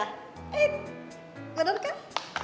eh bener kan